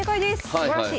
すばらしい。